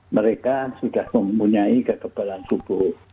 mereka sudah mempunyai kekebalan tubuh